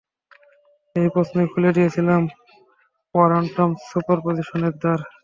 এই প্রশ্নই খুলে দিয়েছিল কোয়ান্টাম সুপারপজিশনের দ্বার।